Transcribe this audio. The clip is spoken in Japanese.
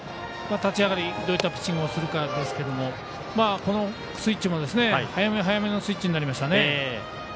立ち上がり、どういったピッチングをするかですけどこのスイッチも早め早めのスイッチになりました。